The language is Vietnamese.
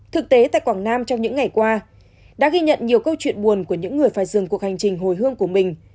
thực tế tại quảng nam trong những ngày qua đã ghi nhận nhiều câu chuyện buồn của những người phải dừng cuộc hành trình hồi hương của mình